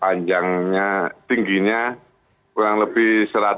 panjangnya tingginya kurang lebih satu ratus lima puluh lima